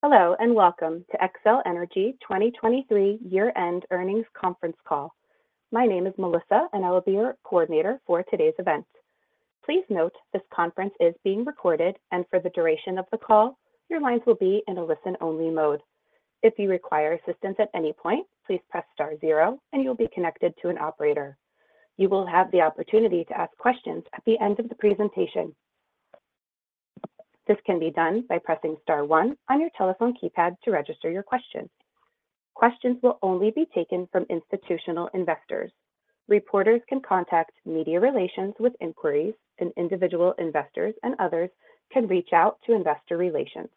Hello, and welcome to Xcel Energy 2023 year-end earnings conference call. My name is Melissa, and I will be your coordinator for today's event. Please note, this conference is being recorded, and for the duration of the call, your lines will be in a listen-only mode. If you require assistance at any point, please press star zero and you'll be connected to an operator. You will have the opportunity to ask questions at the end of the presentation. This can be done by pressing star one on your telephone keypad to register your question. Questions will only be taken from institutional investors. Reporters can contact media relations with inquiries, and individual investors and others can reach out to investor relations.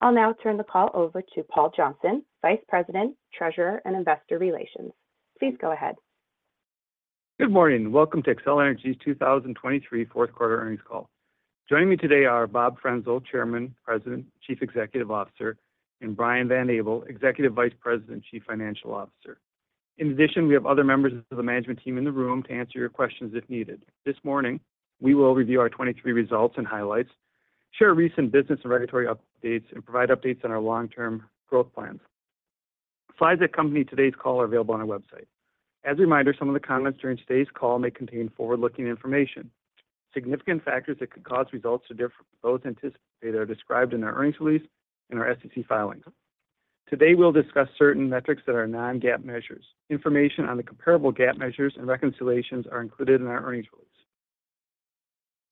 I'll now turn the call over to Paul Johnson, Vice President, Treasurer, and Investor Relations. Please go ahead. Good morning. Welcome to Xcel Energy's 2023 fourth quarter earnings call. Joining me today are Bob Frenzel, Chairman, President, Chief Executive Officer, and Brian Van Abel, Executive Vice President, Chief Financial Officer. In addition, we have other members of the management team in the room to answer your questions if needed. This morning, we will review our 2023 results and highlights, share recent business and regulatory updates, and provide updates on our long-term growth plans. Slides that accompany today's call are available on our website. As a reminder, some of the comments during today's call may contain forward-looking information. Significant factors that could cause results to differ from those anticipated are described in our earnings release and our SEC filings. Today, we'll discuss certain metrics that are non-GAAP measures. Information on the comparable GAAP measures and reconciliations are included in our earnings release.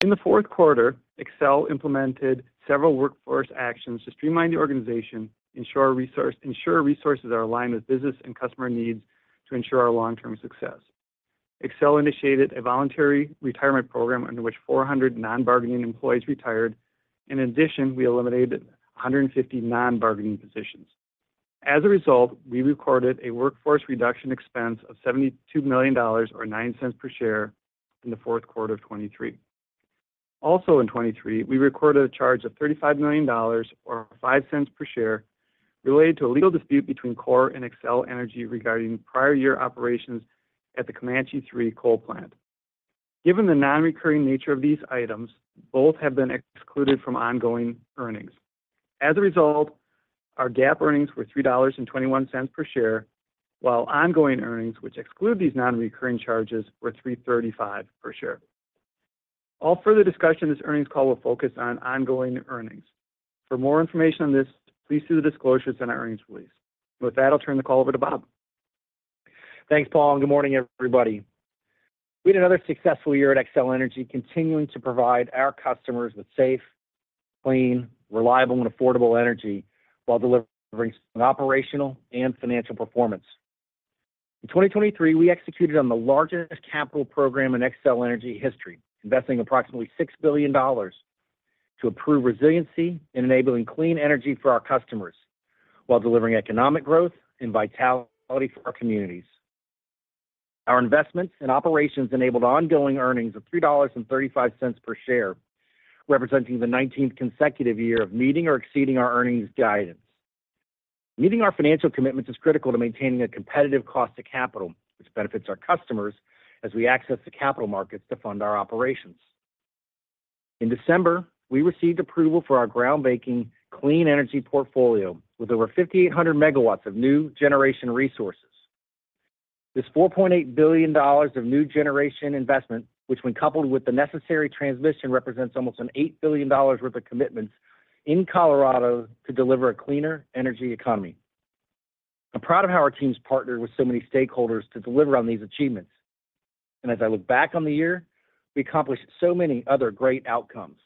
In the fourth quarter, Xcel implemented several workforce actions to streamline the organization, ensure resources are aligned with business and customer needs to ensure our long-term success. Xcel initiated a voluntary retirement program under which 400 non-bargaining employees retired. In addition, we eliminated 150 non-bargaining positions. As a result, we recorded a workforce reduction expense of $72 million or $0.09 per share in the fourth quarter of 2023. Also in 2023, we recorded a charge of $35 million or $0.05 per share related to a legal dispute between CORE and Xcel Energy regarding prior year operations at the Comanche 3 Coal Plant. Given the non-recurring nature of these items, both have been excluded from ongoing earnings. As a result, our GAAP earnings were $3.21 per share, while ongoing earnings, which exclude these non-recurring charges, were $3.35 per share. All further discussion, this earnings call will focus on ongoing earnings. For more information on this, please see the disclosures in our earnings release. With that, I'll turn the call over to Bob. Thanks, Paul, and good morning, everybody. We had another successful year at Xcel Energy, continuing to provide our customers with safe, clean, reliable, and affordable energy while delivering operational and financial performance. In 2023, we executed on the largest capital program in Xcel Energy history, investing approximately $6 billion to improve resiliency and enabling clean energy for our customers while delivering economic growth and vitality for our communities. Our investments and operations enabled ongoing earnings of $3.35 per share, representing the 19th consecutive year of meeting or exceeding our earnings guidance. Meeting our financial commitments is critical to maintaining a competitive cost of capital, which benefits our customers as we access the capital markets to fund our operations. In December, we received approval for our groundbreaking clean energy portfolio with over 5,800 MW of new generation resources. This $4.8 billion of new generation investment, which when coupled with the necessary transmission, represents almost $8 billion worth of commitments in Colorado to deliver a cleaner energy economy. I'm proud of how our teams partnered with so many stakeholders to deliver on these achievements, and as I look back on the year, we accomplished so many other great outcomes.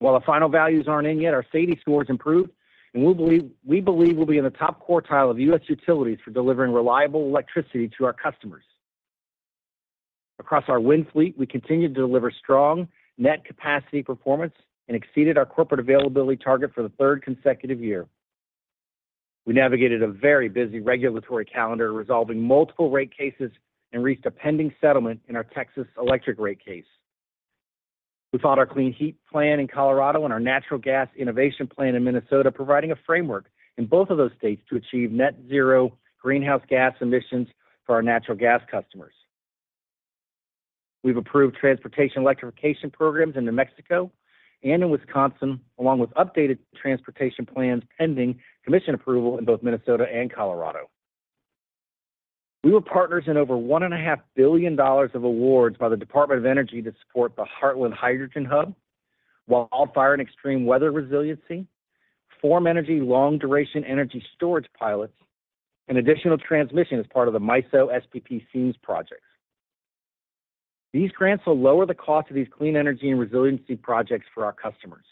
While the final values aren't in yet, our safety scores improved, and we believe, we believe we'll be in the top quartile of U.S. utilities for delivering reliable electricity to our customers. Across our wind fleet, we continued to deliver strong net capacity performance and exceeded our corporate availability target for the third consecutive year. We navigated a very busy regulatory calendar, resolving multiple rate cases and reached a pending settlement in our Texas electric rate case. We filed our Clean Heat Plan in Colorado and our Natural Gas Innovation Plan in Minnesota, providing a framework in both of those states to achieve net zero greenhouse gas emissions for our natural gas customers. We've approved transportation electrification programs in New Mexico and in Wisconsin, along with updated transportation plans pending commission approval in both Minnesota and Colorado. We were partners in over $1.5 billion of awards by the Department of Energy to support the Heartland Hydrogen Hub, wildfire and extreme weather resiliency, Form Energy, long-duration energy storage pilots, and additional transmission as part of the MISO SPP Seams projects. These grants will lower the cost of these clean energy and resiliency projects for our customers.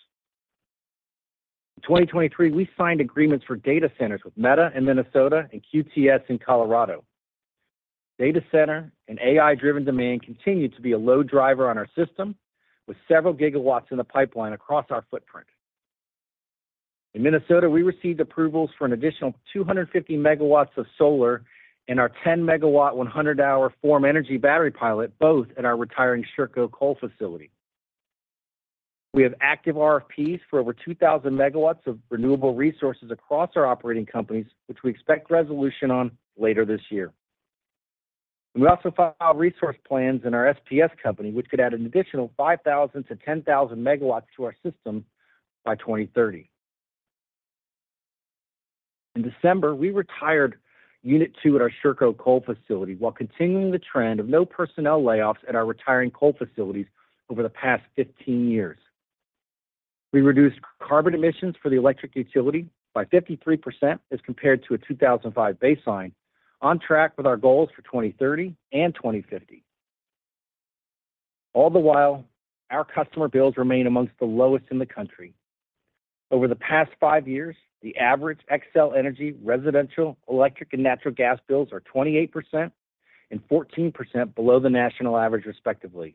In 2023, we signed agreements for data centers with Meta in Minnesota and QTS in Colorado. Data center and AI-driven demand continued to be a load driver on our system, with several GW in the pipeline across our footprint. In Minnesota, we received approvals for an additional 250 MW of solar and our 10-MW, 100-hour Form Energy battery pilot, both at our retiring Sherco coal facility. We have active RFPs for over 2,000 MW of renewable resources across our operating companies, which we expect resolution on later this year. We also filed resource plans in our SPS company, which could add an additional 5,000-10,000 MW to our system by 2030. In December, we retired Unit 2 at our Sherco coal facility, while continuing the trend of no personnel layoffs at our retiring coal facilities over the past 15 years. We reduced carbon emissions for the electric utility by 53% as compared to a 2005 baseline, on track with our goals for 2030 and 2050. All the while, our customer bills remain among the lowest in the country. Over the past five years, the average Xcel Energy residential, electric, and natural gas bills are 28% and 14% below the national average, respectively.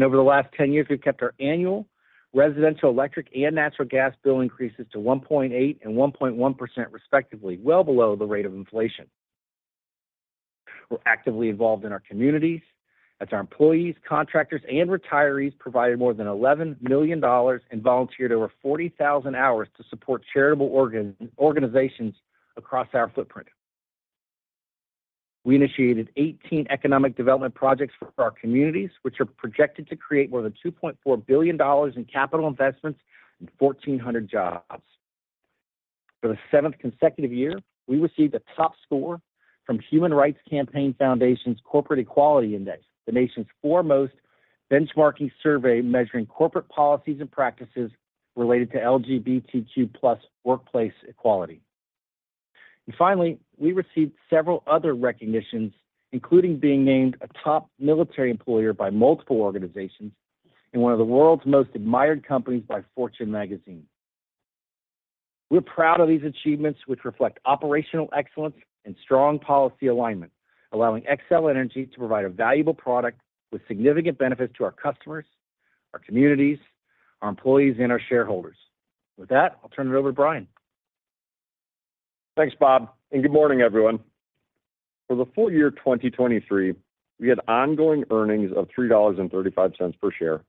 Over the last 10 years, we've kept our annual residential, electric, and natural gas bill increases to 1.8% and 1.1%, respectively, well below the rate of inflation. We're actively involved in our communities, as our employees, contractors, and retirees provided more than $11 million and volunteered over 40,000 hours to support charitable organizations across our footprint. We initiated 18 economic development projects for our communities, which are projected to create more than $2.4 billion in capital investments and 1,400 jobs. For the seventh consecutive year, we received a top score from Human Rights Campaign Foundation's Corporate Equality Index, the nation's foremost benchmarking survey measuring corporate policies and practices related to LGBTQ+ workplace equality. Finally, we received several other recognitions, including being named a top military employer by multiple organizations and one of the world's most admired companies by Fortune Magazine. We're proud of these achievements, which reflect operational excellence and strong policy alignment, allowing Xcel Energy to provide a valuable product with significant benefits to our customers, our communities, our employees, and our shareholders. With that, I'll turn it over to Brian. Thanks, Bob, and good morning, everyone. For the full year 2023, we had ongoing earnings of $3.35 per share,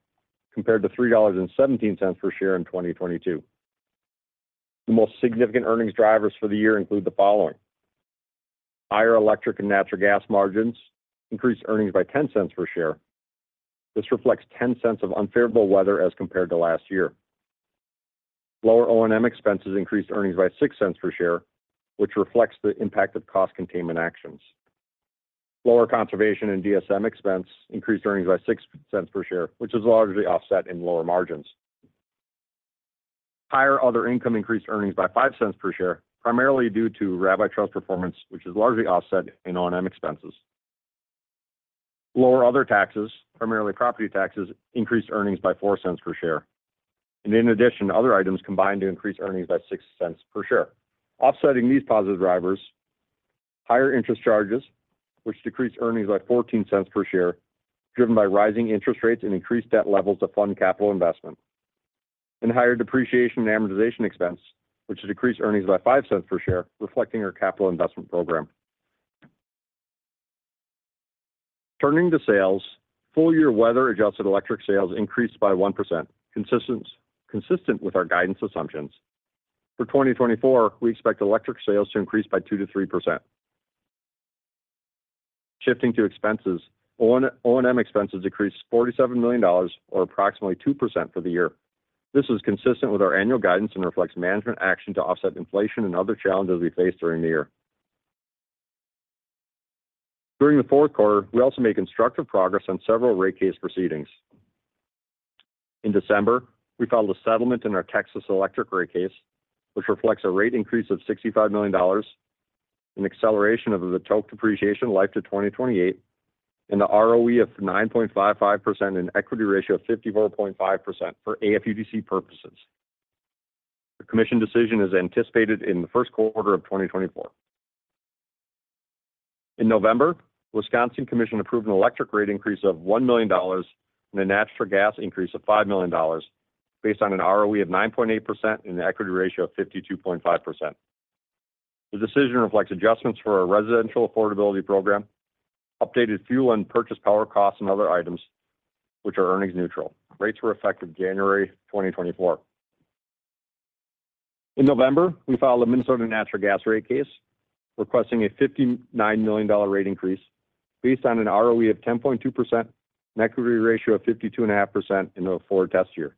compared to $3.17 per share in 2022. The most significant earnings drivers for the year include the following: Higher electric and natural gas margins increased earnings by $0.10 per share. This reflects $0.10 of unfavorable weather as compared to last year. Lower O&M expenses increased earnings by $0.06 per share, which reflects the impact of cost containment actions. Lower conservation and DSM expense increased earnings by $0.06 per share, which is largely offset in lower margins. Higher other income increased earnings by $0.05 per share, primarily due to Rabbi Trust performance, which is largely offset in O&M expenses. Lower other taxes, primarily property taxes, increased earnings by $0.04 per share. In addition, other items combined to increase earnings by $0.06 per share. Offsetting these positive drivers, higher interest charges, which decreased earnings by $0.14 per share, driven by rising interest rates and increased debt levels to fund capital investment. Higher depreciation and amortization expense, which decreased earnings by $0.05 per share, reflecting our capital investment program. Turning to sales, full-year weather-adjusted electric sales increased by 1%, consistent with our guidance assumptions. For 2024, we expect electric sales to increase by 2%-3%. Shifting to expenses, O&M expenses decreased $47 million or approximately 2% for the year. This is consistent with our annual guidance and reflects management action to offset inflation and other challenges we faced during the year. During the fourth quarter, we also made constructive progress on several rate case proceedings. In December, we filed a settlement in our Texas electric rate case, which reflects a rate increase of $65 million, an acceleration of the Tolk depreciation life to 2028, and an ROE of 9.55% and equity ratio of 54.5% for AFUDC purposes. The Commission decision is anticipated in the first quarter of 2024. In November, Wisconsin Commission approved an electric rate increase of $1 million and a natural gas increase of $5 million, based on an ROE of 9.8% and an equity ratio of 52.5%. The decision reflects adjustments for our residential affordability program, updated fuel and purchased power costs and other items, which are earnings neutral. Rates were effective January 2024. In November, we filed a Minnesota natural gas rate case, requesting a $59 million rate increase, based on an ROE of 10.2%, an equity ratio of 52.5% in forecast test year.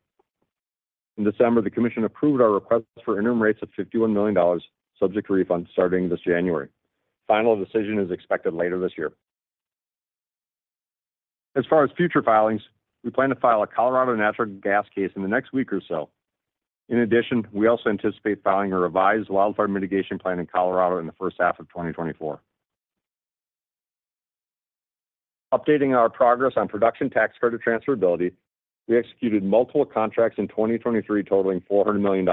In December, the Commission approved our request for interim rates of $51 million, subject to refunds starting this January. Final decision is expected later this year. As far as future filings, we plan to file a Colorado natural gas case in the next week or so. In addition, we also anticipate filing a revised wildfire mitigation plan in Colorado in the first half of 2024. Updating our progress on production tax credit transferability, we executed multiple contracts in 2023, totaling $400 million.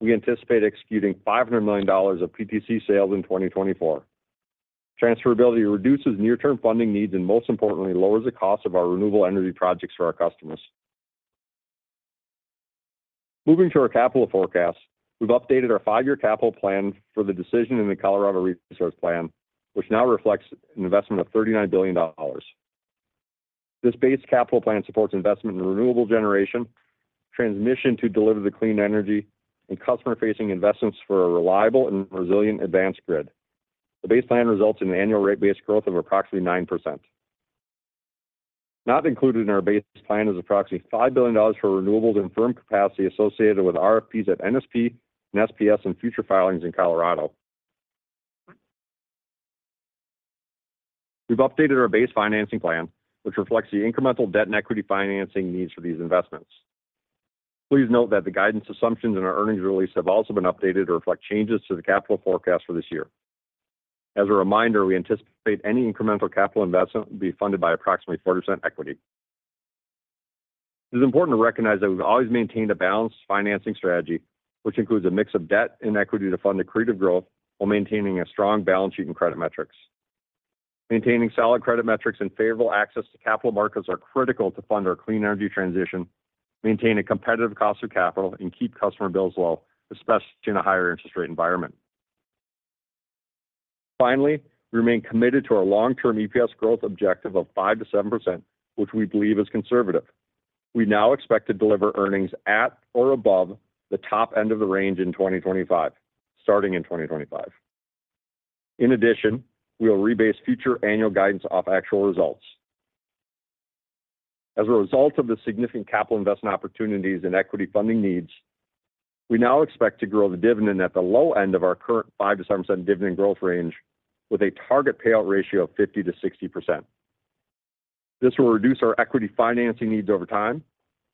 We anticipate executing $500 million of PTC sales in 2024. Transferability reduces near-term funding needs and, most importantly, lowers the cost of our renewable energy projects for our customers. Moving to our capital forecast, we've updated our five-year capital plan for the decision in the Colorado Resource Plan, which now reflects an investment of $39 billion. This base capital plan supports investment in renewable generation, transmission to deliver the clean energy, and customer-facing investments for a reliable and resilient advanced grid. The base plan results in an annual rate base growth of approximately 9%. Not included in our base plan is approximately $5 billion for renewables and firm capacity associated with RFPs at NSP and SPS and future filings in Colorado. We've updated our base financing plan, which reflects the incremental debt and equity financing needs for these investments. Please note that the guidance assumptions in our earnings release have also been updated to reflect changes to the capital forecast for this year. As a reminder, we anticipate any incremental capital investment will be funded by approximately 40% equity. It is important to recognize that we've always maintained a balanced financing strategy, which includes a mix of debt and equity to fund accretive growth while maintaining a strong balance sheet and credit metrics. Maintaining solid credit metrics and favorable access to capital markets are critical to fund our clean energy transition, maintain a competitive cost of capital, and keep customer bills low, especially in a higher interest rate environment. Finally, we remain committed to our long-term EPS growth objective of 5%-7%, which we believe is conservative. We now expect to deliver earnings at or above the top end of the range in 2025, starting in 2025. In addition, we will rebase future annual guidance off actual results. As a result of the significant capital investment opportunities and equity funding needs, we now expect to grow the dividend at the low end of our current 5%-7% dividend growth range with a target payout ratio of 50%-60%. This will reduce our equity financing needs over time,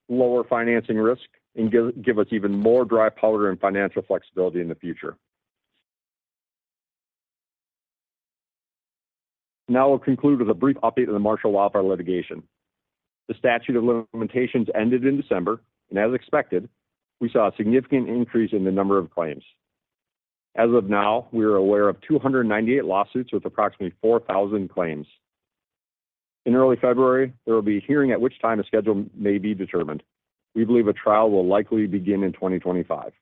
lower financing risk, and give us even more dry powder and financial flexibility in the future. Now we'll conclude with a brief update on the Marshall Wildfire litigation. The statute of limitations ended in December, and as expected, we saw a significant increase in the number of claims. As of now, we are aware of 298 lawsuits with approximately 4,000 claims. In early February, there will be a hearing at which time a schedule may be determined. We believe a trial will likely begin in 2025.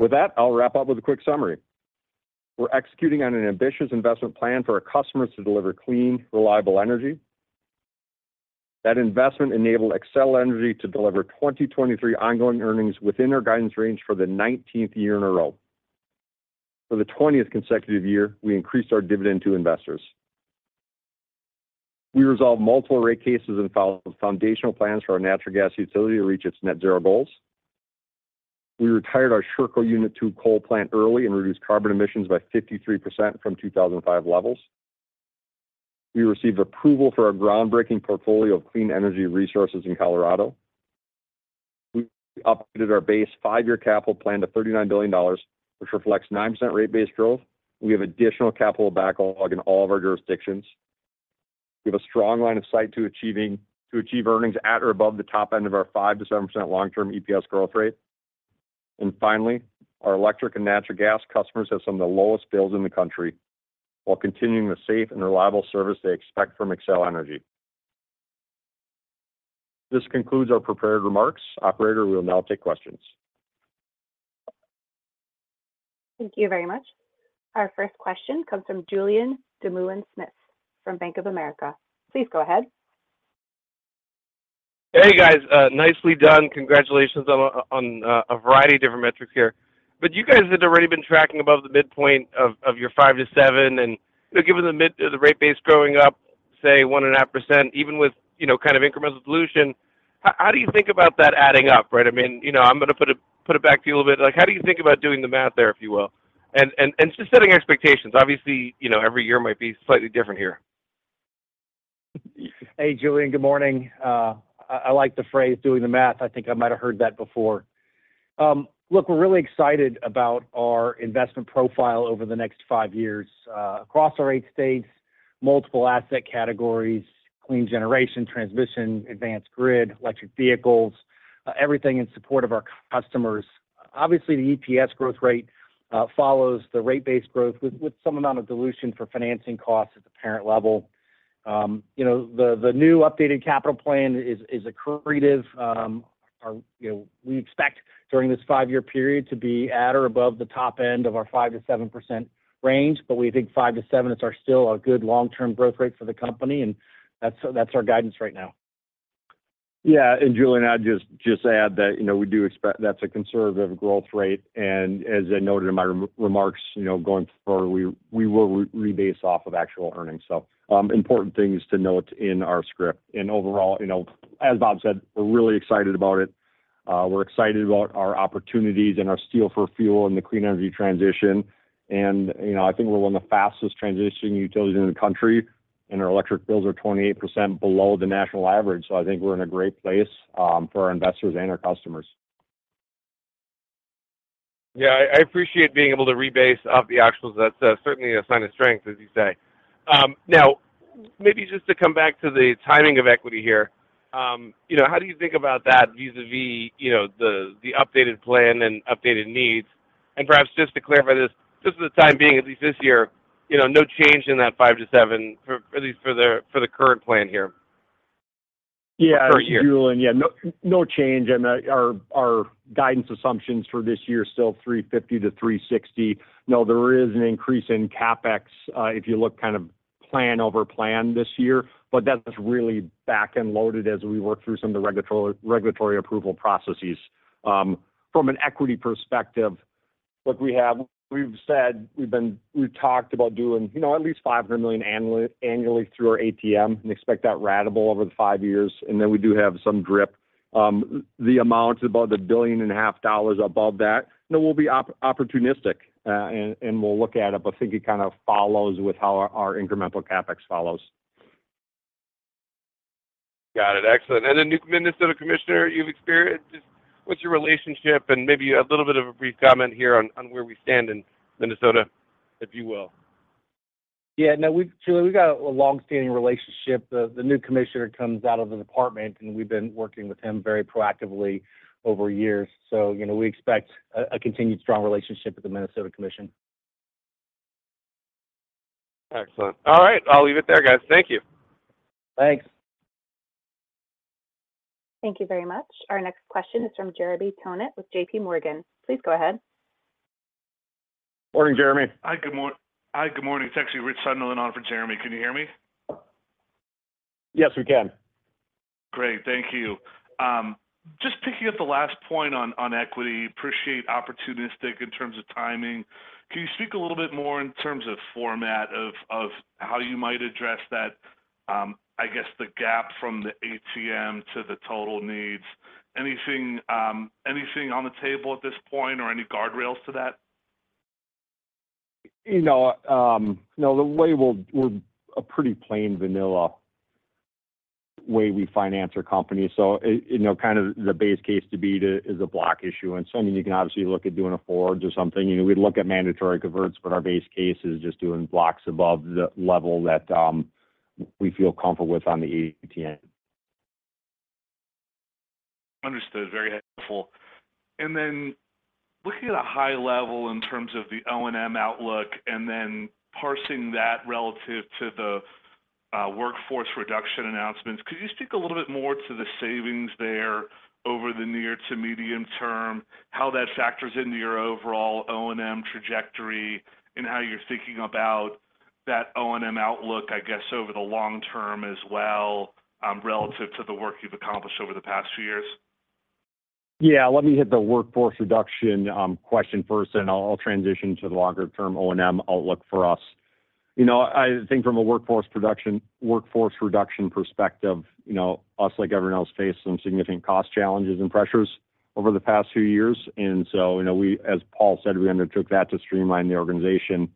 With that, I'll wrap up with a quick summary. We're executing on an ambitious investment plan for our customers to deliver clean, reliable energy. That investment enabled Xcel Energy to deliver 2023 ongoing earnings within our guidance range for the 19th year in a row. For the 20th consecutive year, we increased our dividend to investors. We resolved multiple rate cases and filed foundational plans for our natural gas utility to reach its net zero goals. We retired our Sherco Unit 2 coal plant early and reduced carbon emissions by 53% from 2005 levels. We received approval for our groundbreaking portfolio of clean energy resources in Colorado. We updated our base five-year capital plan to $39 billion, which reflects 9% rate base growth. We have additional capital backlog in all of our jurisdictions. We have a strong line of sight to achieve earnings at or above the top end of our 5%-7% long-term EPS growth rate. And finally, our electric and natural gas customers have some of the lowest bills in the country while continuing the safe and reliable service they expect from Xcel Energy. This concludes our prepared remarks. Operator, we will now take questions. Thank you very much. Our first question comes from Julian Dumoulin-Smith from Bank of America. Please go ahead. Hey, guys, nicely done. Congratulations on a variety of different metrics here. But you guys had already been tracking above the midpoint of your 5$-7$, and, you know, given the midpoint, the rate base growing up, say, 1.5%, even with, you know, kind of incremental dilution, how do you think about that adding up, right? I mean, you know, I'm going to put it back to you a little bit. Like, how do you think about doing the math there, if you will? And just setting expectations. Obviously, you know, every year might be slightly different here. Hey, Julian, good morning. I like the phrase "doing the math." I think I might have heard that before. Look, we're really excited about our investment profile over the next 5 years, across our eight states, multiple asset categories, clean generation, transmission, advanced grid, electric vehicles, everything in support of our customers. Obviously, the EPS growth rate follows the rate base growth with some amount of dilution for financing costs at the parent level. You know, the new updated capital plan is accretive. You know, we expect during this 5-year period to be at or above the top end of our 5%-7% range, but we think 5%-7% is, are still a good long-term growth rate for the company, and that's our guidance right now. Yeah, and Julian, I'd just add that, you know, we do expect that's a conservative growth rate, and as I noted in my remarks, you know, going forward, we will rebase off of actual earnings. So, important things to note in our script. And overall, you know, as Bob said, we're really excited about it. We're excited about our opportunities and our steel for fuel and the clean energy transition. And, you know, I think we're one of the fastest transitioning utilities in the country, and our electric bills are 28% below the national average. So I think we're in a great place, for our investors and our customers. Yeah, I appreciate being able to rebase off the actuals. That's certainly a sign of strength, as you say. Now, maybe just to come back to the timing of equity here. You know, how do you think about that vis-a-vis, you know, the updated plan and updated needs? And perhaps just to clarify this, just for the time being, at least this year, you know, no change in that 5-7 for, at least for the current plan here?... Yeah, Julien, and yeah, no, no change in our guidance assumptions for this year is still $3.50-$3.60. Now, there is an increase in CapEx if you look kind of plan over plan this year, but that's really back-end loaded as we work through some of the regulatory approval processes. From an equity perspective, look, we have we've said, we've been we've talked about doing, you know, at least $500 million annually through our ATM and expect that ratable over the five years. And then we do have some DRIP. The amount is about $1.5 billion above that. Now, we'll be opportunistic, and we'll look at it, but I think it kind of follows with how our incremental CapEx follows. Got it. Excellent. And the new Minnesota commissioner you've experienced, what's your relationship? And maybe a little bit of a brief comment here on where we stand in Minnesota, if you will. Yeah, no, we've got a long-standing relationship, Julie. The new commissioner comes out of the department, and we've been working with him very proactively over years. So, you know, we expect a continued strong relationship with the Minnesota Commission. Excellent. All right, I'll leave it there, guys. Thank you. Thanks. Thank you very much. Our next question is from Jeremy Tonet with JPMorgan. Please go ahead. Morning, Jeremy. Hi, good morning. It's actually Rich Sunderland on for Jeremy. Can you hear me? Yes, we can. Great. Thank you. Just picking up the last point on, on equity, appreciate opportunistic in terms of timing. Can you speak a little bit more in terms of format of, of how you might address that, I guess, the gap from the ATM to the total needs? Anything, anything on the table at this point, or any guardrails to that? You know, you know, the way we're a pretty plain vanilla way we finance our company. So, you know, kind of the base case to beat is a block issue. And so, I mean, you can obviously look at doing a forward or something. You know, we'd look at mandatory converts, but our base case is just doing blocks above the level that we feel comfortable with on the ATM. Understood. Very helpful. And then looking at a high level in terms of the O&M outlook and then parsing that relative to the workforce reduction announcements, could you speak a little bit more to the savings there over the near to medium term, how that factors into your overall O&M trajectory, and how you're thinking about that O&M outlook, I guess, over the long term as well, relative to the work you've accomplished over the past few years? Yeah, let me hit the workforce reduction question first, and I'll transition to the longer-term O&M outlook for us. You know, I think from a workforce reduction perspective, you know, us, like everyone else, face some significant cost challenges and pressures over the past few years. And so, you know, we, as Paul said, we undertook that to streamline the organization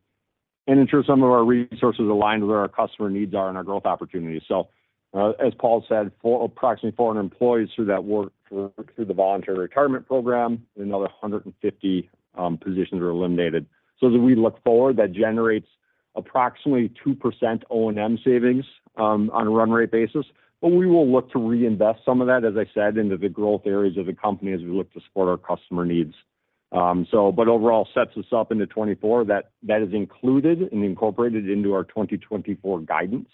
and ensure some of our resources aligned with where our customer needs are and our growth opportunities. So, as Paul said, approximately 400 employees through the voluntary retirement program, another 150 positions were eliminated. So as we look forward, that generates approximately 2% O&M savings on a run rate basis, but we will look to reinvest some of that, as I said, into the growth areas of the company as we look to support our customer needs. So, but overall, sets us up into 2024. That, that is included and incorporated into our 2024 guidance.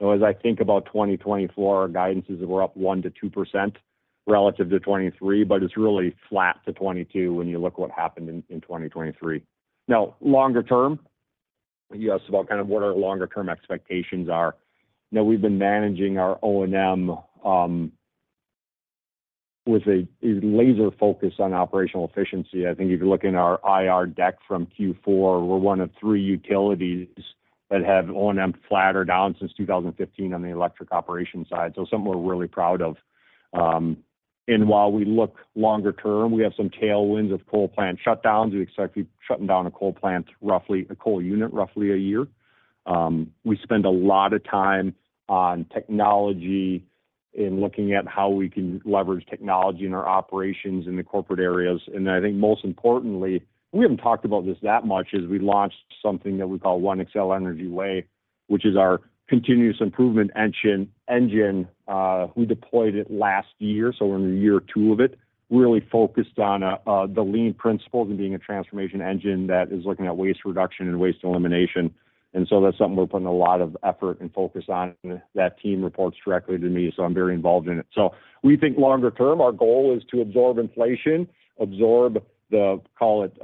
So as I think about 2024, our guidance is we're up 1%-2% relative to 2023, but it's really flat to 2022 when you look what happened in 2023 Now, longer term, you asked about kind of what our longer-term expectations are. Now, we've been managing our O&M with a laser focus on operational efficiency. I think if you look in our IR deck from Q4, we're one of three utilities that have O&M flat or down since 2015 on the electric operations side. So something we're really proud of. And while we look longer term, we have some tailwinds of coal plant shutdowns. We expect to be shutting down a coal plant, roughly a coal unit, roughly a year. We spend a lot of time on technology and looking at how we can leverage technology in our operations in the corporate areas. And I think most importantly, we haven't talked about this that much, is we launched something that we call One Xcel Energy Way, which is our continuous improvement engine, engine. We deployed it last year, so we're in the year two of it, really focused on the lean principles and being a transformation engine that is looking at waste reduction and waste elimination. And so that's something we're putting a lot of effort and focus on. That team reports directly to me, so I'm very involved in it. So we think longer term, our goal is to absorb inflation, absorb the, call it,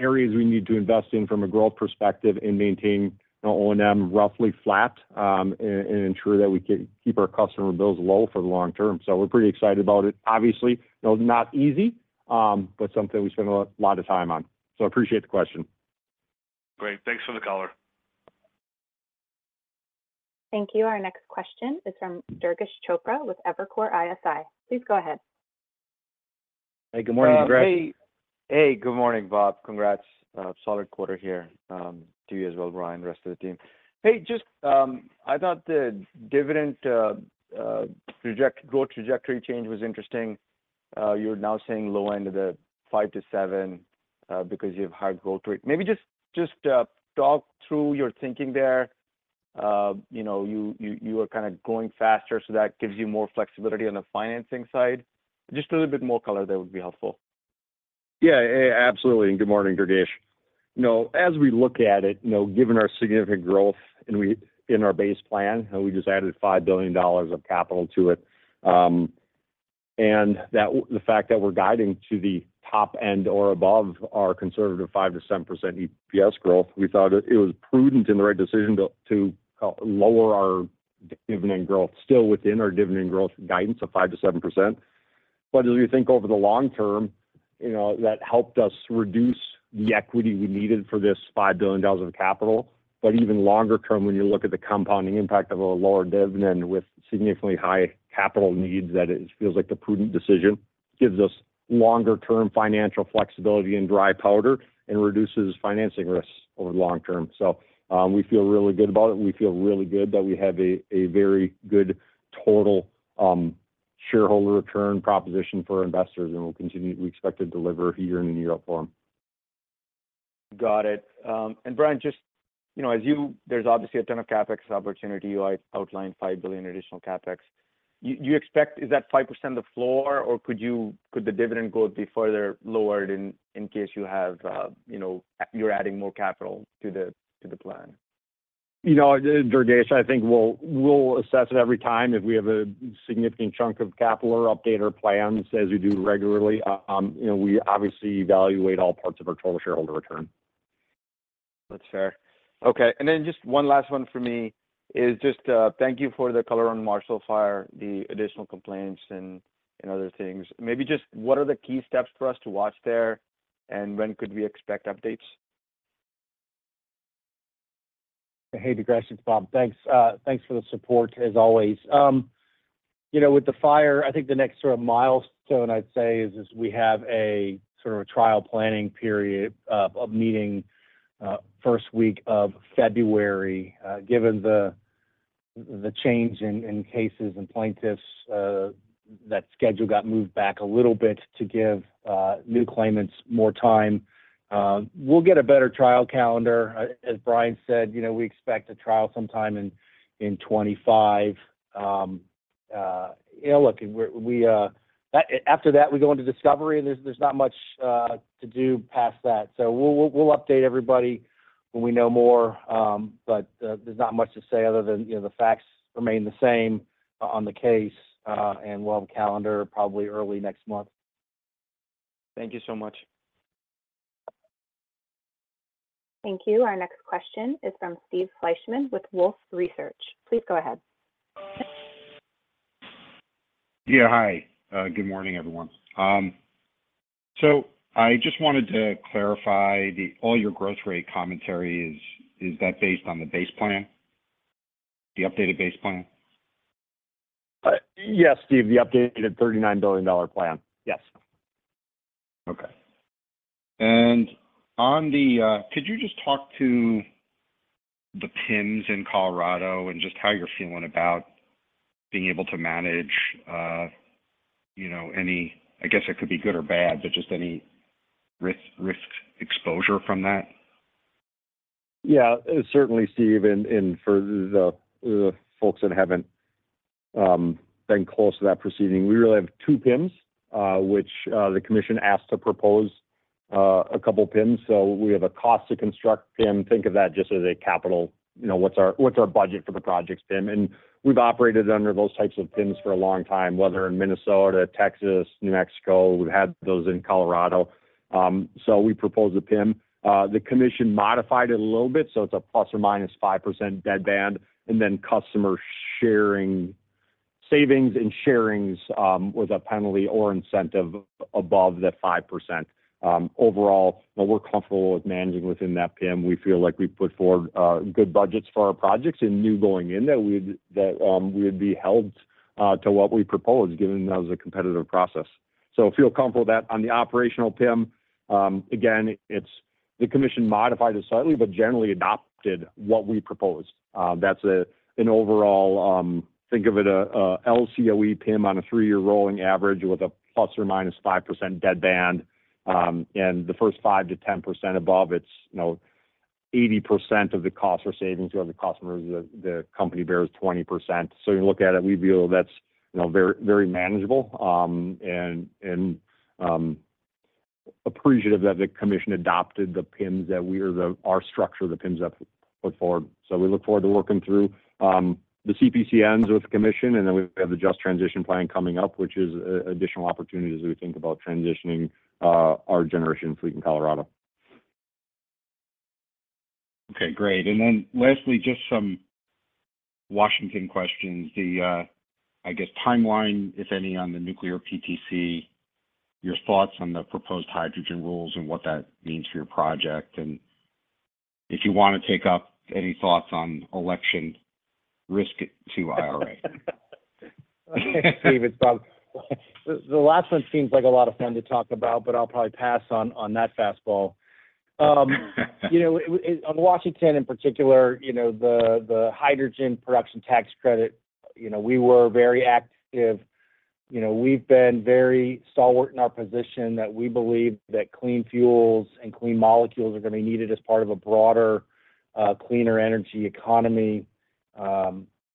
areas we need to invest in from a growth perspective and maintain O&M roughly flat, and ensure that we can keep our customer bills low for the long term. So we're pretty excited about it. Obviously, you know, not easy, but something we spend a lot of time on. So I appreciate the question. Great. Thanks for the color. Thank you. Our next question is from Durgesh Chopra with Evercore ISI. Please go ahead. Hey, good morning, Greg. Hey. Hey, good morning, Bob. Congrats. Solid quarter here, to you as well, Brian, the rest of the team. Hey, just, I thought the dividend growth trajectory change was interesting. You're now saying low end of the 5%-7%, because you have high growth rate. Maybe just, talk through your thinking there. You know, you are kind of growing faster, so that gives you more flexibility on the financing side. Just a little bit more color there would be helpful.... Yeah, absolutely, and good morning, Durgesh. You know, as we look at it, you know, given our significant growth in our base plan, and we just added $5 billion of capital to it, and the fact that we're guiding to the top end or above our conservative 5%-7% EPS growth, we thought it was prudent and the right decision to lower our dividend growth, still within our dividend growth guidance of 5%-7%. But as we think over the long term, you know, that helped us reduce the equity we needed for this $5 billion of capital. But even longer term, when you look at the compounding impact of a lower dividend with significantly high capital needs, that it feels like the prudent decision. Gives us longer-term financial flexibility and dry powder, and reduces financing risks over the long term. So, we feel really good about it, and we feel really good that we have a very good total shareholder return proposition for our investors, and we'll continue, we expect to deliver a year in and year out for them. Got it. And Brian, just, you know, as you— there's obviously a ton of CapEx opportunity. You, like, outlined $5 billion additional CapEx. You, you expect... Is that 5% the floor, or could you— could the dividend go be further lowered in, in case you have, you know, you're adding more capital to the, to the plan? You know, Durgesh, I think we'll, we'll assess it every time. If we have a significant chunk of capital or update our plans as we do regularly, you know, we obviously evaluate all parts of our total shareholder return. That's fair. Okay, and then just one last one for me is just, thank you for the color on Marshall Fire, the additional complaints and, and other things. Maybe just what are the key steps for us to watch there, and when could we expect updates? Hey, Durgesh, it's Bob. Thanks, thanks for the support, as always. You know, with the fire, I think the next sort of milestone, I'd say, is we have a sort of a trial planning period of meeting, first week of February. Given the change in cases and plaintiffs, that schedule got moved back a little bit to give new claimants more time. We'll get a better trial calendar. As Brian said, you know, we expect a trial sometime in 2025. You know, look, and we... After that, we go into discovery, and there's not much to do past that. So we'll update everybody when we know more, but there's not much to say other than, you know, the facts remain the same on the case, and we'll have a calendar probably early next month. Thank you so much. Thank you. Our next question is from Steve Fleishman with Wolfe Research. Please go ahead. Yeah, hi. Good morning, everyone. So I just wanted to clarify the all your growth rate commentary, is, is that based on the base plan, the updated base plan? Yes, Steve, the updated $39 billion plan. Yes. Okay. Could you just talk to the PIMs in Colorado and just how you're feeling about being able to manage, you know, any, I guess it could be good or bad, but just any risk, risk exposure from that? Yeah, certainly, Steve, and for the folks that haven't been close to that proceeding, we really have two PIMs, which the commission asked to propose a couple PIMs. So we have a cost to construct PIM. Think of that just as a capital, you know, what's our, what's our budget for the project's PIM, and we've operated under those types of PIMs for a long time, whether in Minnesota, Texas, New Mexico. We've had those in Colorado. So we proposed a PIM. The commission modified it a little bit, so it's a ±5% deadband, and then customer sharing-savings and sharings with a penalty or incentive above the 5%. Overall, we're comfortable with managing within that PIM. We feel like we put forward good budgets for our projects and knew going in that we'd be held to what we proposed, given that was a competitive process. So feel comfortable that on the operational PIM, again, it's the commission modified it slightly but generally adopted what we proposed. That's an overall, think of it as a LCOE PIM on a three-year rolling average with a ±5% deadband, and the first 5%-10% above, it's, you know, 80% of the costs or savings go to the customers, the company bears 20%. So you look at it, we feel that's, you know, very, very manageable, and appreciative that the commission adopted the PIMs, our structure, the PIMs that we put forward. So we look forward to working through the CPCNs with the commission, and then we have the Just Transition plan coming up, which is additional opportunities as we think about transitioning our generation fleet in Colorado. Okay, great. And then lastly, just some Washington questions. The, I guess timeline, if any, on the nuclear PTC, your thoughts on the proposed hydrogen rules and what that means for your project, and if you want to take up any thoughts on election risk to IRA. Steve, it's Bob. The last one seems like a lot of fun to talk about, but I'll probably pass on that fastball. You know, on Washington in particular, you know, the hydrogen production tax credit, you know, we were very active. You know, we've been very stalwart in our position that we believe that clean fuels and clean molecules are going to be needed as part of a broader cleaner energy economy.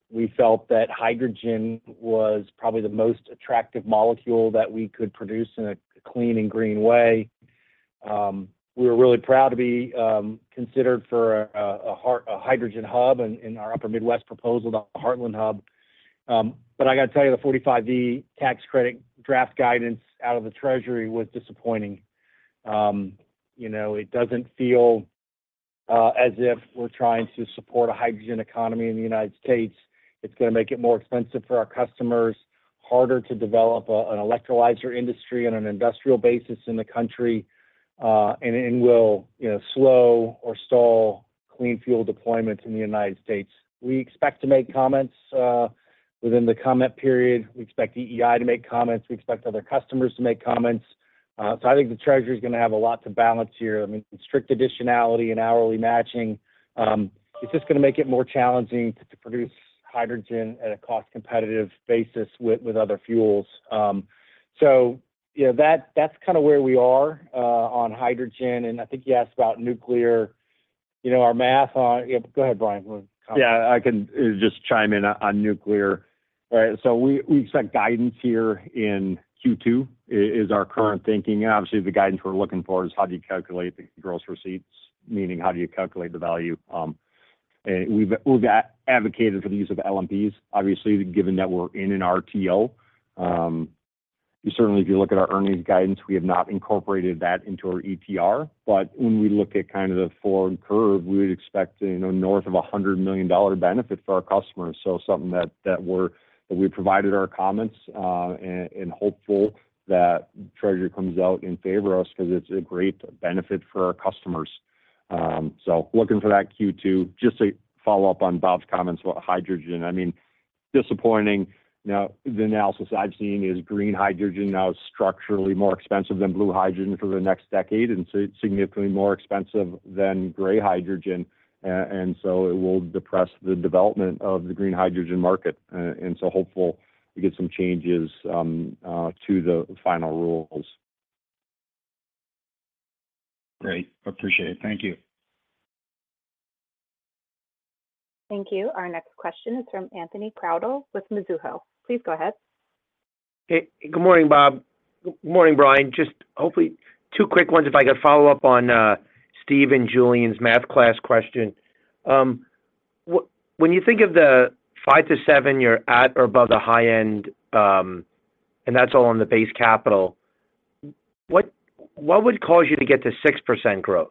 We felt that hydrogen was probably the most attractive molecule that we could produce in a clean and green way. We were really proud to be considered for a hydrogen hub in our Upper Midwest proposal, the Heartland Hub. But I got to tell you, the 45V tax credit draft guidance out of the treasury was disappointing. You know, it doesn't feel as if we're trying to support a hydrogen economy in the United States. It's gonna make it more expensive for our customers, harder to develop a, an electrolyzer industry on an industrial basis in the country, and will, you know, slow or stall clean fuel deployments in the United States. We expect to make comments within the comment period. We expect EEI to make comments. We expect other customers to make comments. So I think the treasury is gonna have a lot to balance here. I mean, strict additionality and hourly matching, it's just gonna make it more challenging to produce hydrogen at a cost-competitive basis with other fuels. So yeah, that, that's kind of where we are on hydrogen, and I think you asked about nuclear. You know, our math on— Yeah, go ahead, Brian. Yeah, I can just chime in on nuclear. Right. So we expect guidance here in Q2, is our current thinking. Obviously, the guidance we're looking for is how do you calculate the gross receipts? Meaning, how do you calculate the value. And we've advocated for the use of LMPs. Obviously, given that we're in an RTO, if you look at our earnings guidance, we have not incorporated that into our ETR. But when we look at kind of the forward curve, we would expect, you know, north of $100 million benefit for our customers. So something that we provided our comments, and hopeful that treasury comes out in favor of us 'cause it's a great benefit for our customers. So looking for that Q2. Just to follow up on Bob's comments about hydrogen, I mean, disappointing. Now, the analysis I've seen is green hydrogen now is structurally more expensive than blue hydrogen for the next decade, and so it's significantly more expensive than gray hydrogen, and so it will depress the development of the green hydrogen market. And so hopeful we get some changes to the final rules. Great. Appreciate it. Thank you. Thank you. Our next question is from Anthony Crowdell with Mizuho. Please go ahead. Hey, good morning, Bob. Good morning, Brian. Just hopefully two quick ones, if I could follow up on Steve and Julian's math class question. When you think of the 5-7, you're at or above the high end, and that's all on the base capital, what would cause you to get to 6% growth?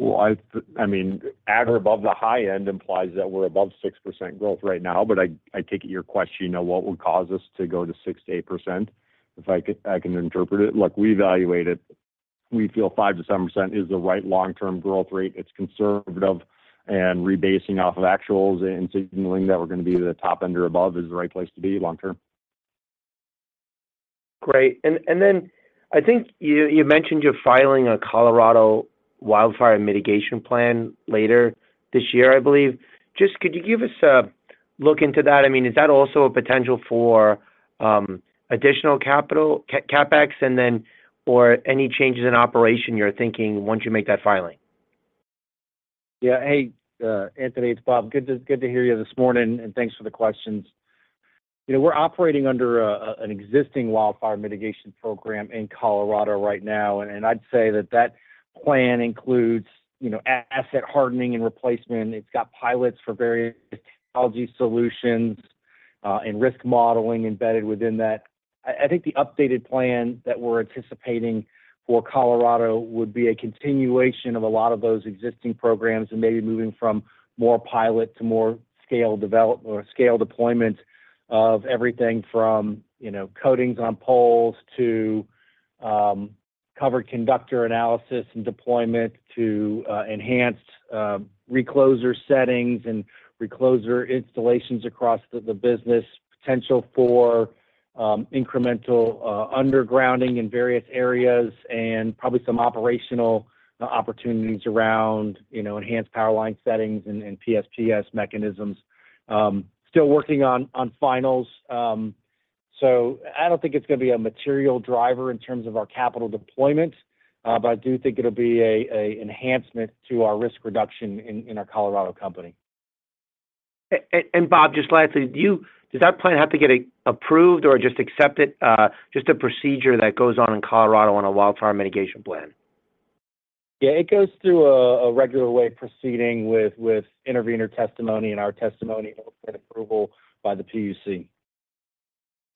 Well, I mean, at or above the high end implies that we're above 6% growth right now, but I take it your question, you know, what would cause us to go to 6%-8%? I can interpret it. Look, we evaluate it. We feel 5%-7% is the right long-term growth rate. It's conservative, and rebasing off of actuals and signaling that we're gonna be the top end or above is the right place to be long term. Great. And then I think you mentioned you're filing a Colorado Wildfire Mitigation Plan later this year, I believe. Just could you give us a look into that? I mean, is that also a potential for additional capital, CapEx, and then or any changes in operation you're thinking once you make that filing? Yeah. Hey, Anthony, it's Bob. Good to hear you this morning, and thanks for the questions. You know, we're operating under an existing wildfire mitigation program in Colorado right now, and I'd say that that plan includes, you know, asset hardening and replacement. It's got pilots for various technology solutions, and risk modeling embedded within that. I think the updated plan that we're anticipating for Colorado would be a continuation of a lot of those existing programs and maybe moving from more pilot to more scale develop or scale deployment of everything from, you know, coatings on poles, to covered conductor analysis and deployment, to enhanced recloser settings and recloser installations across the business, potential for incremental undergrounding in various areas, and probably some operational opportunities around, you know, enhanced power line settings and PSPS mechanisms. Still working on finals. So I don't think it's gonna be a material driver in terms of our capital deployment, but I do think it'll be a enhancement to our risk reduction in our Colorado company. And Bob, just lastly, does that plan have to get approved or just accepted, just a procedure that goes on in Colorado on a wildfire mitigation plan? Yeah, it goes through a regular way of proceeding with intervenor testimony and our testimony and hopefully get approval by the PUC.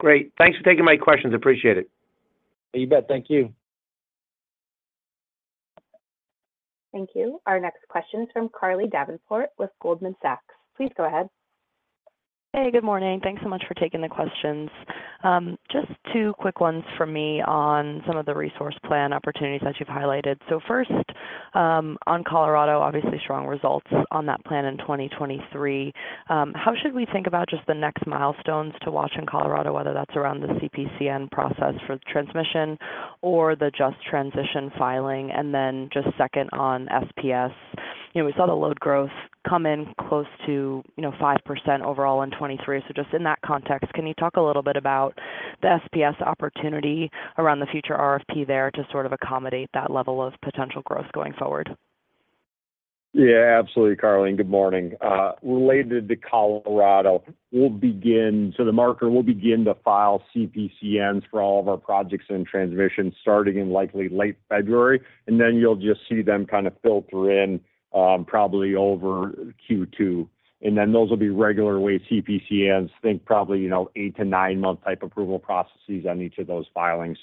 Great. Thanks for taking my questions. Appreciate it. You bet. Thank you. Thank you. Our next question is from Carly Davenport with Goldman Sachs. Please go ahead. Hey, good morning. Thanks so much for taking the questions. Just two quick ones from me on some of the resource plan opportunities that you've highlighted. So first, on Colorado, obviously, strong results on that plan in 2023. How should we think about just the next milestones to watch in Colorado, whether that's around the CPCN process for transmission or the just transition filing? And then just second on SPS, you know, we saw the load growth come in close to, you know, 5% overall in 2023. So just in that context, can you talk a little bit about the SPS opportunity around the future RFP there to sort of accommodate that level of potential growth going forward?... Yeah, absolutely, Carly. Good morning. Related to Colorado, we'll begin. So the milestone will begin to file CPCNs for all of our projects and transmission, starting in likely late February, and then you'll just see them kind of filter in, probably over Q2. And then those will be regular way CPCNs, think probably, you know, eight to nine -month type approval processes on each of those filings.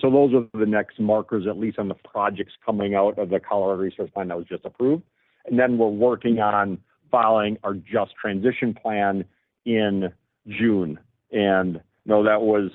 So those are the next milestones, at least on the projects coming out of the Colorado Resource Plan that was just approved. And then we're working on filing our Just Transition plan in June. And, you know, that was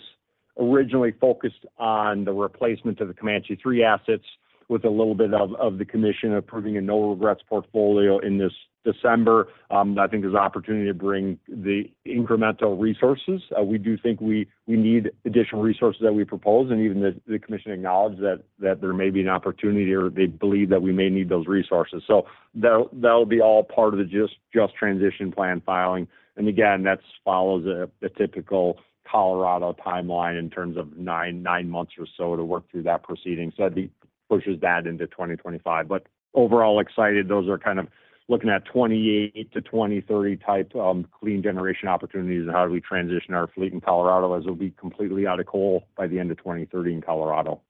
originally focused on the replacement of the Comanche 3 assets with a little bit of, of the commission approving a no-regrets portfolio in this December. I think there's an opportunity to bring the incremental resources. We do think we need additional resources that we propose, and even the commission acknowledged that there may be an opportunity or they believe that we may need those resources. So that'll be all part of the Just Transition plan filing, and again, that follows a typical Colorado timeline in terms of 9 months or so to work through that proceeding. So that pushes that into 2025. But overall, excited, those are kind of looking at 2028 to 2030 type clean generation opportunities and how do we transition our fleet in Colorado, as it'll be completely out of coal by the end of 2030 in Colorado.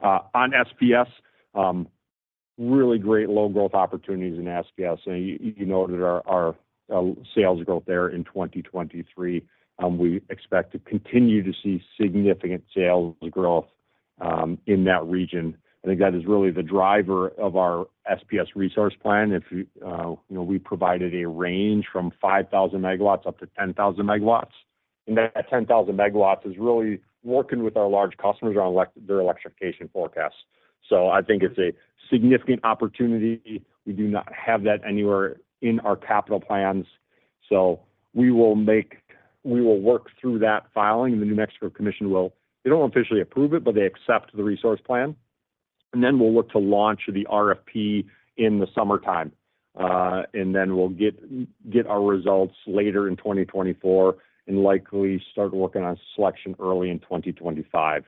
On SPS, really great low growth opportunities in SPS. You noted our sales growth there in 2023. We expect to continue to see significant sales growth in that region. I think that is really the driver of our SPS resource plan. You know, we provided a range from 5,000 MW-10,000 MW, and that 10,000 MW is really working with our large customers on their electrification forecasts. So I think it's a significant opportunity. We do not have that anywhere in our capital plans, so we will work through that filing, and the New Mexico Commission will... They don't officially approve it, but they accept the resource plan. And then we'll look to launch the RFP in the summertime, and then we'll get our results later in 2024, and likely start working on selection early in 2025.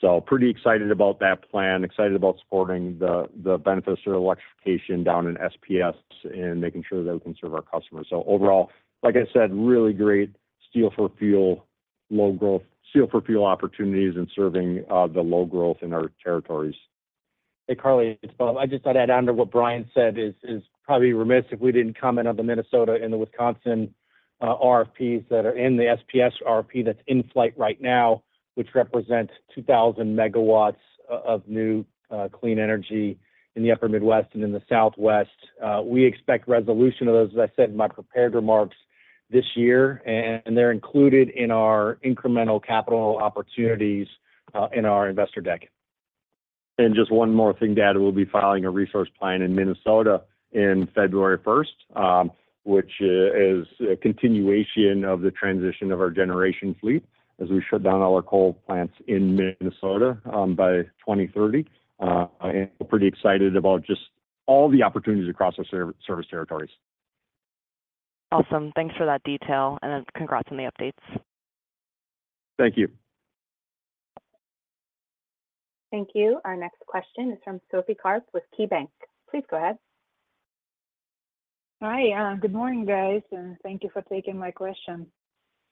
So pretty excited about that plan, excited about supporting the benefits of electrification down in SPS and making sure that we can serve our customers. So overall, like I said, really great steel for fuel, low growth, steel for fuel opportunities and serving the low growth in our territories. Hey, Carly, it's Bob. I just thought I'd add on to what Brian said, it's probably remiss if we didn't comment on the Minnesota and the Wisconsin RFPs that are in the SPS RFP that's in flight right now, which represents 2,000 MW of new clean energy in the Upper Midwest and in the Southwest. We expect resolution of those, as I said in my prepared remarks, this year, and they're included in our incremental capital opportunities in our investor deck. Just one more thing to add. We'll be filing a resource plan in Minnesota in February first, which is a continuation of the transition of our generation fleet as we shut down all our coal plants in Minnesota by 2030. I am pretty excited about just all the opportunities across our service territories. Awesome. Thanks for that detail, and, congrats on the updates. Thank you. Thank you. Our next question is from Sophie Karp with KeyBanc. Please go ahead. Hi, good morning, guys, and thank you for taking my question.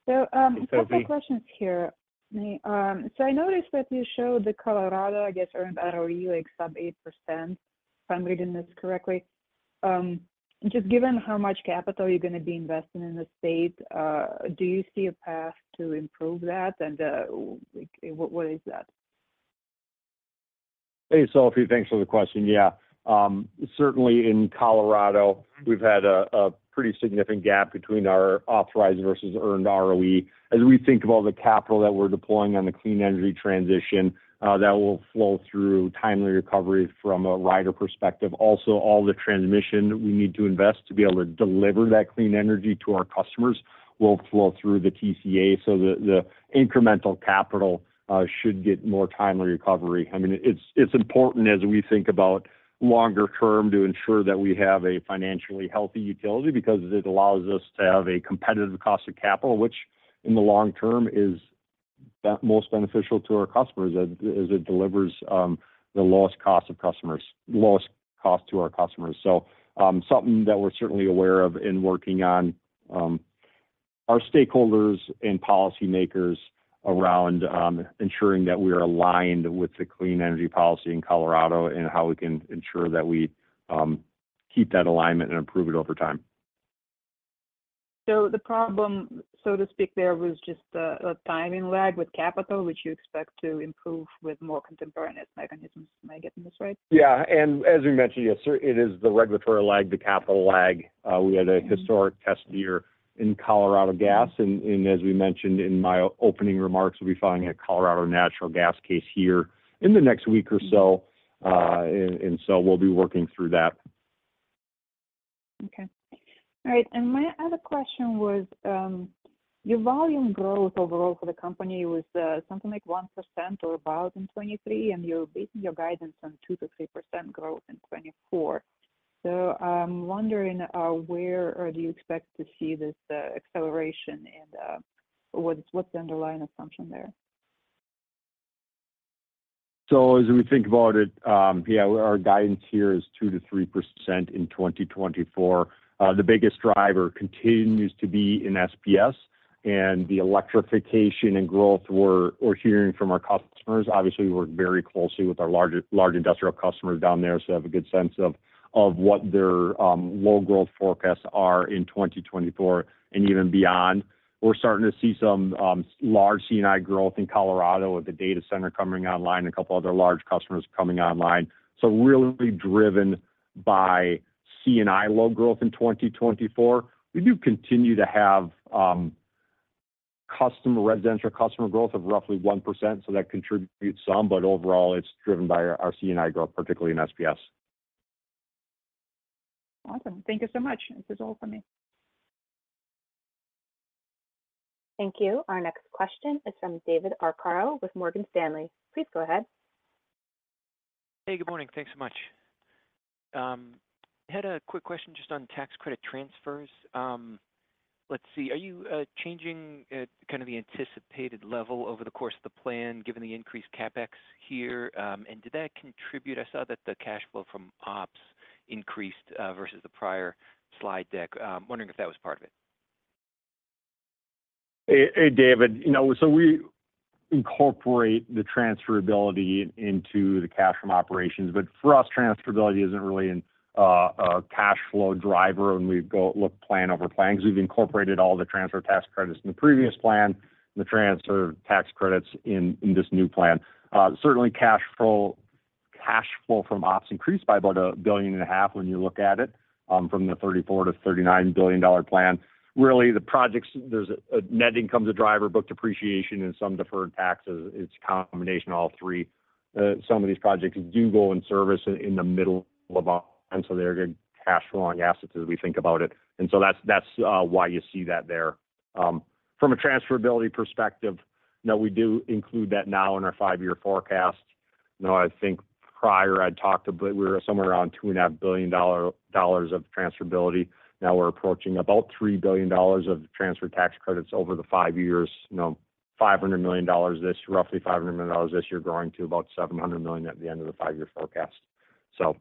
Hey, Sophie. Couple questions here. So I noticed that you showed the Colorado, I guess, earned ROE, like sub-8%, if I'm reading this correctly. Just given how much capital you're going to be investing in the state, do you see a path to improve that? And, like what, what is that? Hey, Sophie, thanks for the question. Yeah, certainly in Colorado, we've had a pretty significant gap between our authorized versus earned ROE. As we think about the capital that we're deploying on the clean energy transition, that will flow through timely recovery from a rider perspective. Also, all the transmission we need to invest to be able to deliver that clean energy to our customers will flow through the TCA, so the incremental capital should get more timely recovery. I mean, it's important as we think about longer term to ensure that we have a financially healthy utility, because it allows us to have a competitive cost of capital, which in the long term, is most beneficial to our customers as it delivers the lowest cost to our customers. So, something that we're certainly aware of in working on, our stakeholders and policymakers around, ensuring that we are aligned with the clean energy policy in Colorado, and how we can ensure that we, keep that alignment and improve it over time. So the problem, so to speak there, was just a timing lag with capital, which you expect to improve with more contemporaneous mechanisms. Am I getting this right? Yeah, and as we mentioned, yes, sir, it is the regulatory lag, the capital lag. We had a historic test year in Colorado Gas, and as we mentioned in my opening remarks, we'll be filing a Colorado natural gas case here in the next week or so, and so we'll be working through that. Okay. All right, and my other question was, your volume growth overall for the company was something like 1% or about in 2023, and you're basing your guidance on 2%-3% growth in 2024. So I'm wondering, where do you expect to see this acceleration, and what's the underlying assumption there?... So as we think about it, yeah, our guidance here is 2%-3% in 2024. The biggest driver continues to be in SPS and the electrification and growth we're hearing from our customers. Obviously, we work very closely with our large industrial customers down there, so have a good sense of what their load growth forecasts are in 2024 and even beyond. We're starting to see some large C&I growth in Colorado with the data center coming online and a couple other large customers coming online. So really driven by C&I load growth in 2024. We do continue to have residential customer growth of roughly 1%, so that contributes some, but overall, it's driven by our C&I growth, particularly in SPS. Awesome. Thank you so much. This is all for me. Thank you. Our next question is from David Arcaro with Morgan Stanley. Please go ahead. Hey, good morning. Thanks so much. Had a quick question just on tax credit transfers. Let's see, are you changing kind of the anticipated level over the course of the plan, given the increased CapEx here? Did that contribute? I saw that the cash flow from ops increased versus the prior slide deck. Wondering if that was part of it? Hey, hey, David. You know, so we incorporate the transferability into the cash from operations, but for us, transferability isn't really a cash flow driver when we go look plan over plan, because we've incorporated all the transfer tax credits in the previous plan and the transfer tax credits in, in this new plan. Certainly, cash flow, cash flow from ops increased by about $1.5 billion when you look at it from the $34 billion-$39 billion plan. Really, the projects, there's Net Income is a driver, book depreciation, and some deferred taxes. It's a combination of all three. Some of these projects do go in service in the middle of our... And so they're good cash flowing assets as we think about it. And so that's, that's why you see that there. From a transferability perspective, now we do include that now in our five-year forecast. You know, I think prior I'd talked a bit, we were somewhere around $2.5 billion of transferability. Now we're approaching about $3 billion of transfer tax credits over the five years. You know, $500 million roughly $500 million this year, growing to about $700 million at the end of the five-year forecast. So,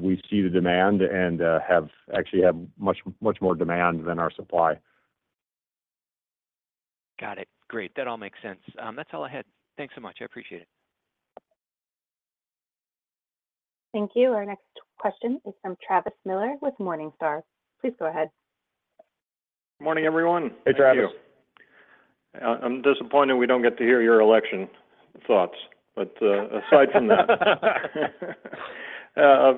we see the demand and, have actually much, much more demand than our supply. Got it. Great. That all makes sense. That's all I had. Thanks so much. I appreciate it. Thank you. Our next question is from Travis Miller with Morningstar. Please go ahead. Good morning, everyone. Hey, Travis. Thank you. I'm disappointed we don't get to hear your election thoughts, but aside from that. I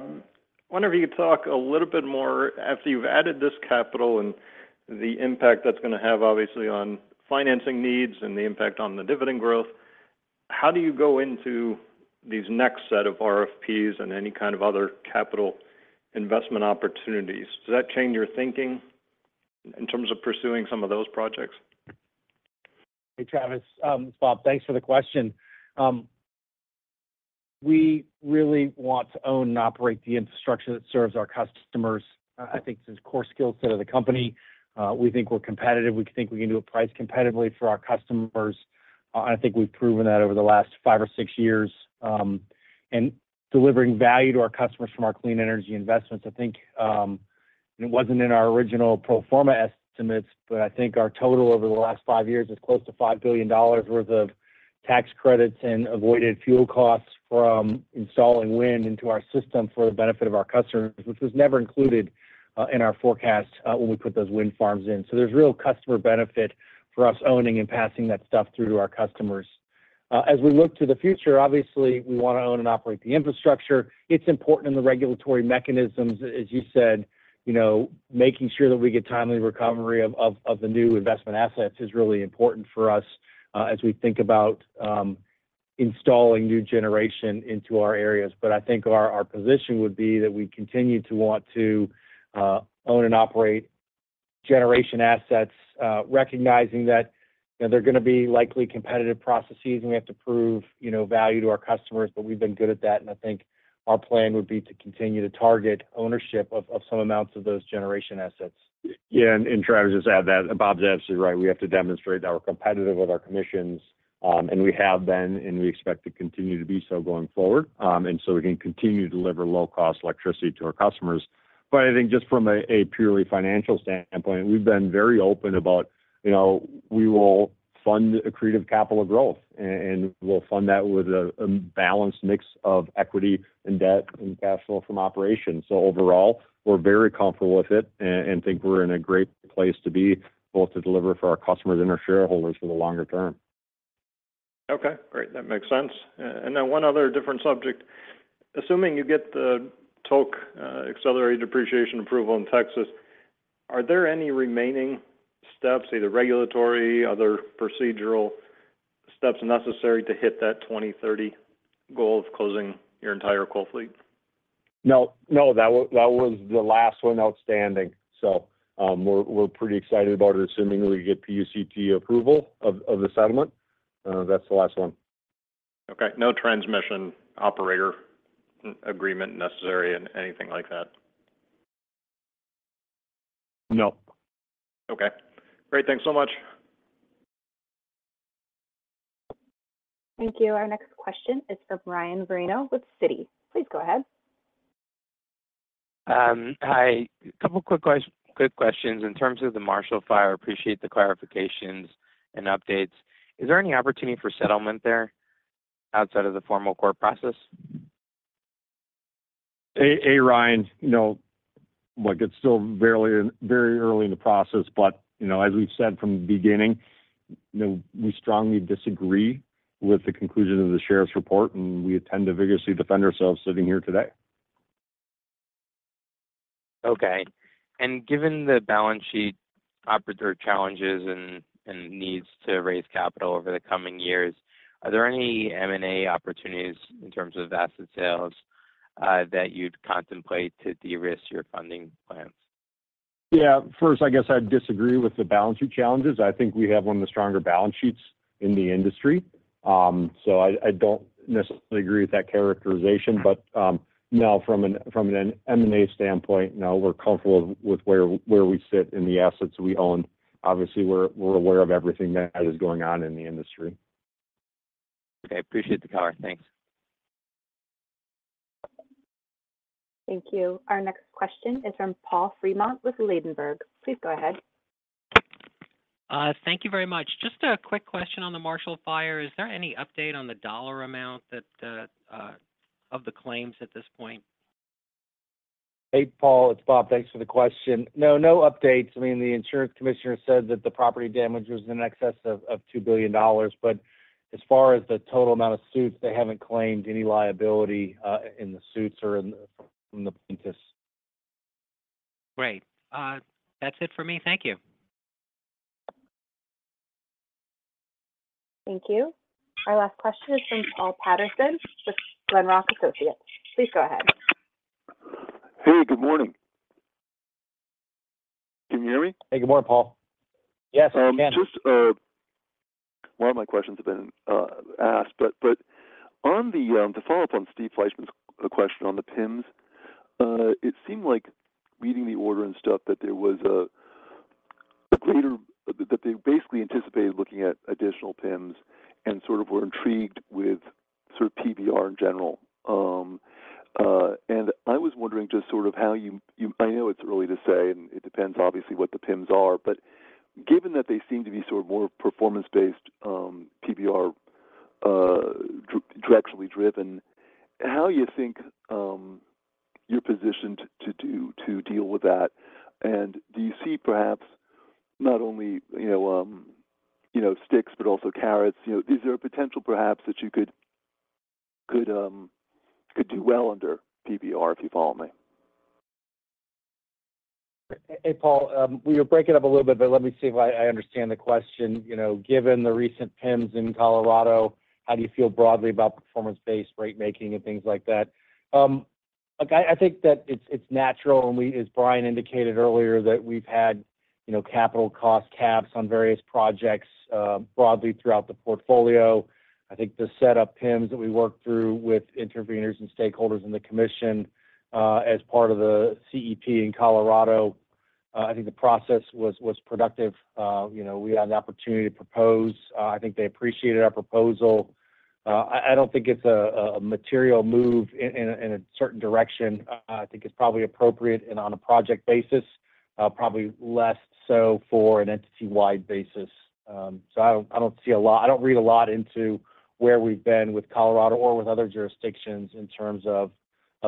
wonder if you could talk a little bit more, after you've added this capital and the impact that's going to have, obviously, on financing needs and the impact on the dividend growth, how do you go into these next set of RFPs and any kind of other capital investment opportunities? Does that change your thinking in terms of pursuing some of those projects? Hey, Travis. It's Bob. Thanks for the question. We really want to own and operate the infrastructure that serves our customers. I think this is core skill set of the company. We think we're competitive. We think we can do a price competitively for our customers, and I think we've proven that over the last five or six years, and delivering value to our customers from our clean energy investments. I think, and it wasn't in our original pro forma estimates, but I think our total over the last five years is close to $5 billion worth of tax credits and avoided fuel costs from installing wind into our system for the benefit of our customers, which was never included, in our forecast, when we put those wind farms in. So there's real customer benefit for us owning and passing that stuff through to our customers. As we look to the future, obviously, we want to own and operate the infrastructure. It's important in the regulatory mechanisms, as you said, you know, making sure that we get timely recovery of the new investment assets is really important for us, as we think about installing new generation into our areas. But I think our position would be that we continue to want to own and operate generation assets, recognizing that, you know, they're going to be likely competitive processes, and we have to prove, you know, value to our customers. But we've been good at that, and I think our plan would be to continue to target ownership of some amounts of those generation assets. Yeah, and Travis, just add that Bob's absolutely right. We have to demonstrate that we're competitive with our commissions, and we have been, and we expect to continue to be so going forward. And so we can continue to deliver low-cost electricity to our customers. But I think just from a purely financial standpoint, we've been very open about, you know, we will fund accretive capital growth, and we'll fund that with a balanced mix of equity and debt and cash flow from operations. So overall, we're very comfortable with it and think we're in a great place to be, both to deliver for our customers and our shareholders for the longer term. Okay, great. That makes sense. And then one other different subject: assuming you get the Tolk accelerated depreciation approval in Texas, are there any remaining steps, either regulatory, other procedural steps necessary to hit that 2030 goal of closing your entire coal fleet? No. No, that was the last one outstanding. So, we're pretty excited about it, assuming we get PUCT approval of the settlement. That's the last one. Okay. No transmission operator agreement necessary or anything like that?... No. Okay, great. Thanks so much. Thank you. Our next question is from Ryan Marino with Citi. Please go ahead. Hi. A couple quick questions. In terms of the Marshall Fire, appreciate the clarifications and updates. Is there any opportunity for settlement there outside of the formal court process? Hey, hey, Ryan. You know, look, it's still very, very early in the process, but, you know, as we've said from the beginning, you know, we strongly disagree with the conclusion of the sheriff's report, and we intend to vigorously defend ourselves sitting here today. Okay. Given the balance sheet operative challenges and needs to raise capital over the coming years, are there any M&A opportunities in terms of asset sales that you'd contemplate to de-risk your funding plans? Yeah. First, I guess I'd disagree with the balance sheet challenges. I think we have one of the stronger balance sheets in the industry. So I don't necessarily agree with that characterization. But no, from an M&A standpoint, no, we're comfortable with where we sit in the assets we own. Obviously, we're aware of everything that is going on in the industry. Okay. Appreciate the comment. Thanks. Thank you. Our next question is from Paul Fremont with Ladenburg. Please go ahead. Thank you very much. Just a quick question on the Marshall Fire. Is there any update on the dollar amount of the claims at this point? Hey, Paul, it's Bob. Thanks for the question. No, no updates. I mean, the insurance commissioner said that the property damage was in excess of $2 billion, but as far as the total amount of suits, they haven't claimed any liability in the suits or from the plaintiffs. Great. That's it for me. Thank you. Thank you. Our last question is from Paul Patterson with Glenrock Associates. Please go ahead. Hey, good morning. Can you hear me? Hey, good morning, Paul. Yes, we can. Just, a lot of my questions have been asked, but to follow up on Steve Fleishman's question on the PIMs, it seemed like reading the order and stuff that they basically anticipated looking at additional PIMs and sort of were intrigued with sort of PBR in general. And I was wondering just sort of how you, I know it's early to say, and it depends obviously what the PIMs are, but given that they seem to be sort of more performance-based PBR directionally driven, how you think you're positioned to do to deal with that? And do you see perhaps not only, you know, you know, sticks, but also carrots? You know, is there a potential, perhaps, that you could do well under PBR, if you follow me? Hey, Paul, well, you're breaking up a little bit, but let me see if I understand the question. You know, given the recent PIMs in Colorado, how do you feel broadly about performance-based ratemaking and things like that? Look, I think that it's natural, and we, as Brian indicated earlier, that we've had, you know, capital cost caps on various projects, broadly throughout the portfolio. I think the setup PIMs that we worked through with interveners and stakeholders in the commission, as part of the CEP in Colorado, I think the process was productive. You know, we had an opportunity to propose. I think they appreciated our proposal. I don't think it's a material move in a certain direction. I think it's probably appropriate and on a project basis, probably less so for an entity-wide basis. So I don't read a lot into where we've been with Colorado or with other jurisdictions in terms of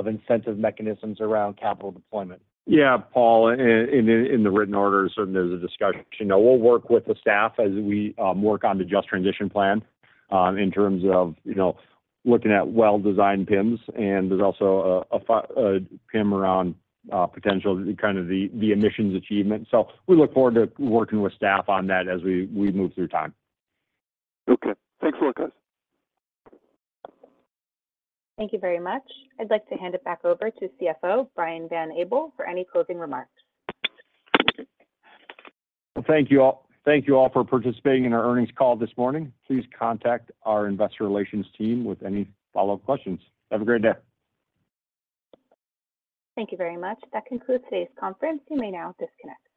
incentive mechanisms around capital deployment. Yeah, Paul, in the written order, certainly there's a discussion. We'll work with the staff as we work on the just transition plan, in terms of, you know, looking at well-designed PIMs, and there's also a PIM around potential, kind of the emissions achievement. So we look forward to working with staff on that as we move through time. Okay. Thanks a lot, guys. Thank you very much. I'd like to hand it back over to CFO, Brian Van Abel, for any closing remarks. Well, thank you all. Thank you all for participating in our earnings call this morning. Please contact our investor relations team with any follow-up questions. Have a great day. Thank you very much. That concludes today's conference. You may now disconnect.